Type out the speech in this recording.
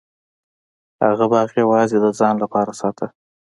هغه باغ یوازې د ځان لپاره ساته.